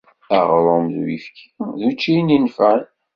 Aɣrum d uyefki d uččiyen inefɛen.